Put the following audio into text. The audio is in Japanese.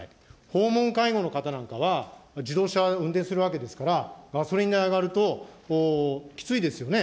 訪問介護の方なんかは、自動車を運転するわけですから、ガソリン代が上がるときついですよね。